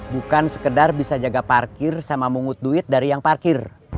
bukan sekedar bisa jaga parkir sama mungut duit dari yang parkir